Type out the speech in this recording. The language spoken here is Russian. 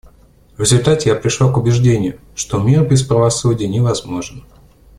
В результате я пришла к убеждению, что мир без правосудия невозможен.